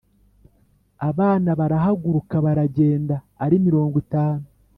abana barahaguruka, baragenda, ari mirongo itanu,